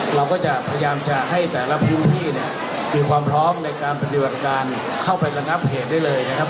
เราก็จะพยายามจะให้แต่ละพื้นที่เนี่ยมีความพร้อมในการปฏิบัติการเข้าไประงับเหตุได้เลยนะครับ